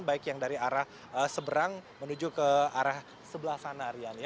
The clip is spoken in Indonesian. baik yang dari arah seberang menuju ke arah sebelah sana